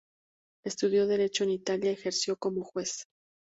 Estudió Derecho en Italia y ejerció como juez.